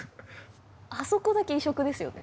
あそこだけ異色ですよね。